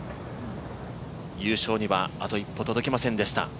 優勝にはあと一歩届きませんでした。